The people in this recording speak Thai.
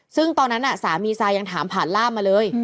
ซึ่งตอนนั้นสามีซายังถามผ่านล่ามมาเลย